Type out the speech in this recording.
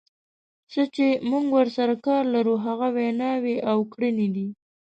څه چې موږ ورسره کار لرو هغه ویناوې او کړنې دي.